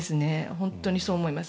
本当にそう思います。